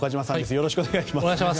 よろしくお願いします。